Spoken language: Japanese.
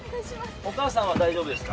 お母さんは大丈夫ですか？